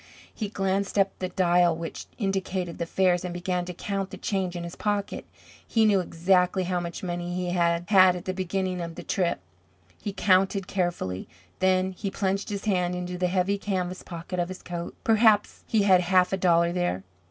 He glanced up at the dial which indicated the fares and began to count the change in his pocket. He knew exactly how much money he had had at the beginning of the trip. He counted carefully. Then he plunged his hand into the heavy canvas pocket of his coat. Perhaps he had half a dollar there.